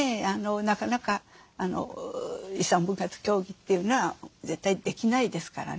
なかなか遺産分割協議っていうのは絶対できないですからね。